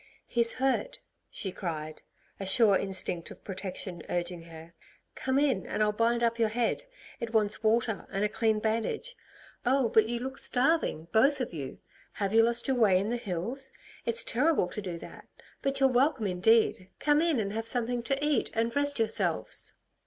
"He's hurt!" she cried, a sure instinct of protection urging her. "Come in, and I'll bind up your head. It wants water and a clean bandage. Oh, but you look starving, both of you! Have you lost your way in the hills? It's terrible to do that! But you're welcome indeed. Come in and have something to eat and rest yourselves."